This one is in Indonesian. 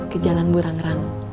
ke jalan burang rang